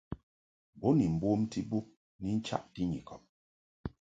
Bo ni mbomti bub ni nchaʼti Nyikɔb.